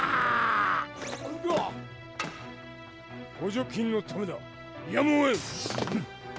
補助金のためだやむをえん。